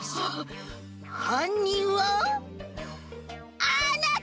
はんにんはあなたたちだ！